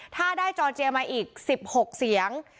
ถ้าได้จอร์เจียมาอีก๑๖เสียง